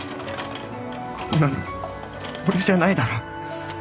こんなの俺じゃないだろ